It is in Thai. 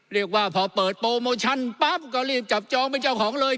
เรียกว่าพอเปิดโปรโมชั่นปั๊บก็รีบจับจองเป็นเจ้าของเลย